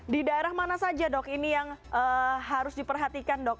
di daerah mana saja dok ini yang harus diperhatikan dok